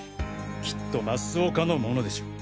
きっと増岡のものでしょう。